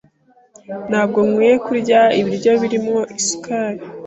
Ntabwo nkwiye kurya ibiryo birimo isukari.